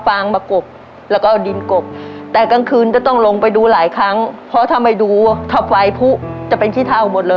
ครับครับครับครับครับครับครับครับครับครับครับ